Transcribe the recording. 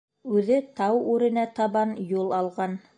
Үҙе тау үренә табан юл алған.